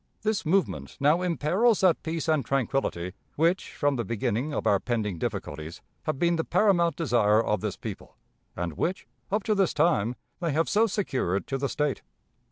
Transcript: This movement now imperils that peace and tranquillity which from the beginning of our pending difficulties have been the paramount desire of this people, and which, up to this time, they have so secured to the State.